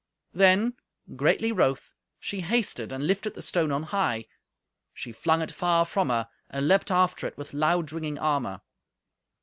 Then, greatly wroth, she hasted and lifted the stone on high; she flung it far from her, and leaped after it with loud ringing armour.